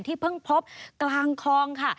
เพิ่งพบกลางคลองค่ะ